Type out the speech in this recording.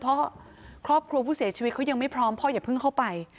เพราะครอบครัวผู้เสียชีวิตเขายังไม่พร้อมพ่ออย่าเพิ่งเข้าไป